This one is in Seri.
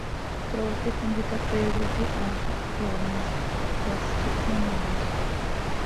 Trooqui tintica Pedro quih haa xah hpyoomoz xo cohptás, ihpmonaaaij.